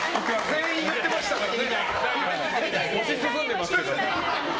全員、言ってましたからね。